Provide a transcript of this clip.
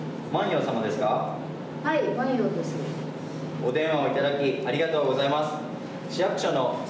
お電話をいただきありがとうございます。